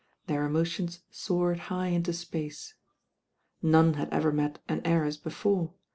Their emotions soared high into space. None had ever met an heiress before.